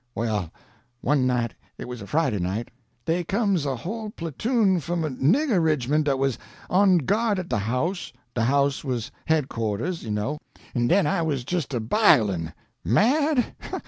"Well, one night it was a Friday night dey comes a whole platoon f'm a NIGGER ridgment da was on guard at de house de house was head quarters, you know an' den I was jist A BILIN'! Mad?